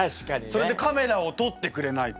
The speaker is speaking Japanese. それでカメラを撮ってくれないと。